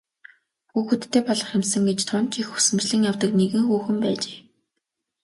Хүүхэдтэй болох юмсан гэж тун ч их хүсэмжлэн явдаг нэгэн хүүхэн байжээ.